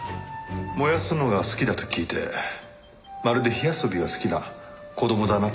燃やすのが好きだと聞いてまるで火遊びが好きな子供だなと思ったんですけど。